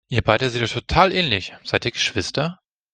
Ihr beide seht euch total ähnlich, seid ihr Geschwister?